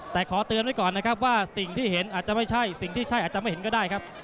แต่ขอเตือนไว้ก่อนนะครับว่าสิ่งที่เห็นอาจจะไม่ใช่สิ่งที่ใช่อาจจะไม่เห็นก็ได้ครับ